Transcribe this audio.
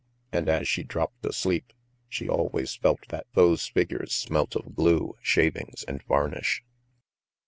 And as she dropped asleep, she always felt that those figures smelt of glue, shavings, and varnish.